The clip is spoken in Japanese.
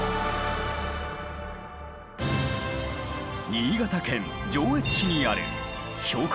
新潟県上越市にある標高